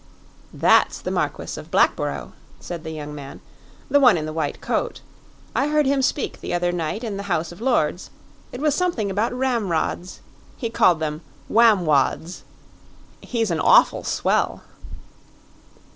"That's the Marquis of Blackborough," said the young man "the one in the white coat. I heard him speak the other night in the House of Lords; it was something about ramrods; he called them 'wamwods.' He's an awful swell."